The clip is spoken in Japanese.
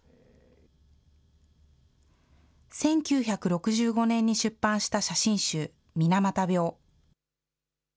１９６５年に出版した写真集、水俣病。